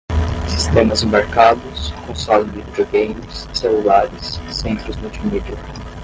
sistemas embarcados, console de videogames, celulares, centros multimídia